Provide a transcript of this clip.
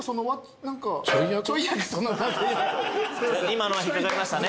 今のは引っ掛かりましたね。